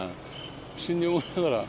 不審に思いながら。